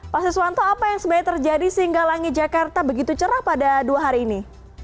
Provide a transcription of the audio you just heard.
pak siswanto apa yang sebenarnya terjadi sehingga langit jakarta begitu cerah pada dua hari ini